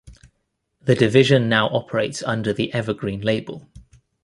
The division now operates under the Evergreen label.